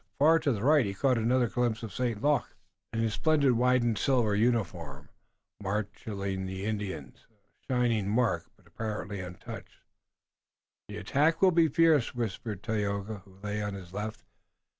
Far to the right he caught another glimpse of St. Luc in his splendid white and silver uniform, marshaling the Indians, a shining mark, but apparently untouched. "The attack will be fierce," whispered Tayoga, who lay on his left.